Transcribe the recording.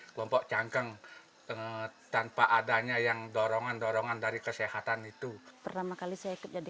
kelompok cangkang tanpa adanya yang dorongan dorongan dari kesehatan itu pertama kali saya ikut jadi